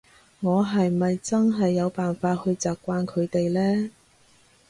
我係咪真係有辦法去習慣佢哋呢？